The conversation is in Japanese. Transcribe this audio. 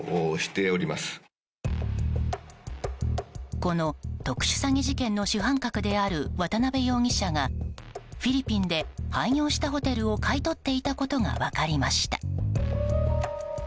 この特殊詐欺事件の主犯格である渡邉容疑者がフィリピンで、廃業したホテルを買い取っていたことが分かりました。